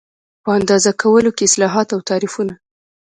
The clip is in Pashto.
په اندازه کولو کې اصطلاحات او تعریفونه